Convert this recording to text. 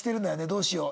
どうしよう。